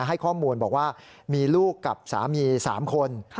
ให้ข้อมูลบอกว่ามีลูกกับสามี๓คน